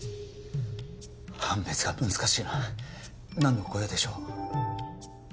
判別が難しいな何のご用でしょう？